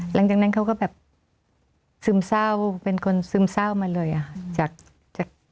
หลังจากนั้นเขาก็แบบซึมเศร้าเป็นคนซึมเศร้ามาเลยอะค่ะ